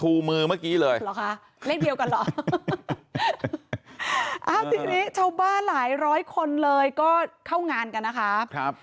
อาทีนี้ชาวบ้าหลายร้อยคนเลยก็เข้างานกันนะครับ